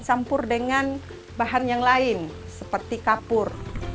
campur dengan bahan yang lain seperti kapur